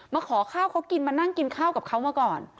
ขอข้าวเขากินมานั่งกินข้าวกับเขามาก่อน